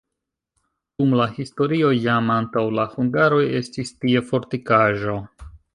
Dum la historio jam antaŭ la hungaroj estis tie fortikaĵo.